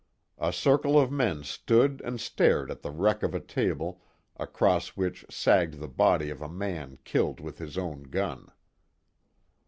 A circle of men stood and stared at the wreck of a table, across which sagged the body of a man killed with his own gun.